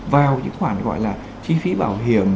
vào những khoản gọi là chi phí bảo hiểm